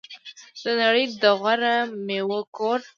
د نړۍ د غوره میوو کور.